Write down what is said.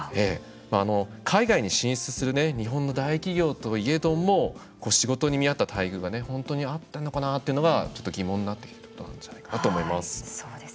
海外に進出する日本の大企業といえども仕事に見合った待遇が本当にあったのかなというのがちょっと疑問になってきているということなんじゃないかなと思います。